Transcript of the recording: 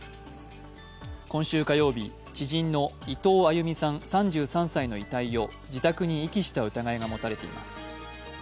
今週火曜日、知人の伊藤亜佑美さん３３歳の遺体を自宅に遺棄した疑いが持たれています。